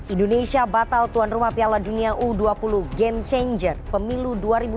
indonesia batal tuan rumah piala dunia u dua puluh game changer pemilu dua ribu dua puluh